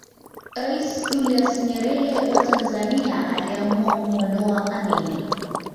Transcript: Rais Julius Nyerere wa Tanzania aliamua kumwondoa Amin